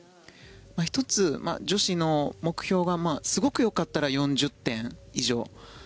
１つ、女子の目標がすごくよかったら４０点以上。